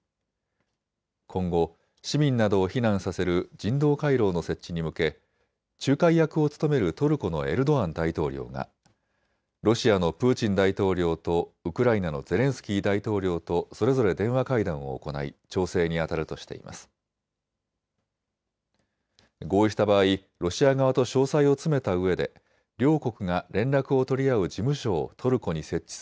今後、市民などを避難させる人道回廊の設置に向け仲介役を務めるトルコのエルドアン大統領がロシアのプーチン大統領とウクライナのゼレンスキー大統領とそれぞれ電話会談を行い調整にあたるとしています。